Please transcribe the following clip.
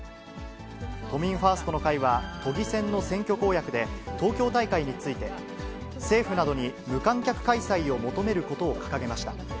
都民ファーストの会は、都議選の選挙公約で、東京大会について、政府などに無観客開催を求めることを掲げました。